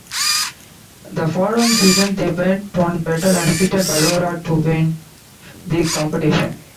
The following season, they went one better and defeated Baroda to win the competition.